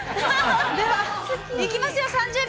◆では、いきますよ、３０秒。